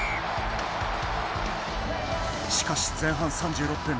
しかし前半３６分。